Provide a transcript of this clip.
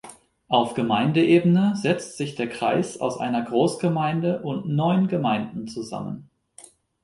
Auf Gemeindeebene setzt sich der Kreis aus einer Großgemeinde und neun Gemeinden zusammen.